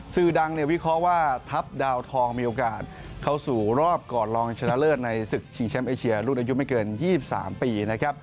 สื่อดังวิเคราะห์ว่าทัพดาวทองมีโอกาสเข้าสู่รอบก่อนรองชนะเลิศในศึกชิงแชมป์เอเชียรุ่นอายุไม่เกิน๒๓ปีนะครับ